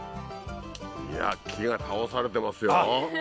木が倒されてますよ。